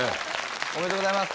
おめでとうございます。